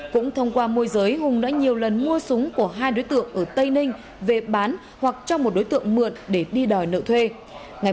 cũng thông qua môi giới hùng đã nhiều lần mua súng của hai đối tượng ở tây ninh về bán hoặc cho một đối tượng mượn để đi đòi nợ thuê